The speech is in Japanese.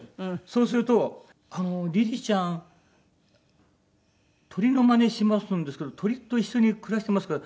そうすると「リリーちゃん鳥のまねしますんですけど鳥と一緒に暮らしてますか？」。